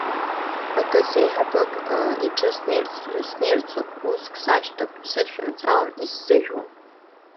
Акыс, еиҳабык иҿы снеирцоуп, уск сашьҭоуп, исыдшәымцалан, исзыжәуам.